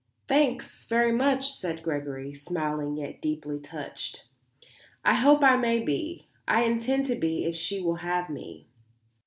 "Thanks, very much," said Gregory, smiling yet deeply touched. "I hope I may be. I intend to be if she will have me."